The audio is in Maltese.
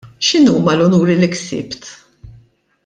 X'inhuma l-unuri li ksibt?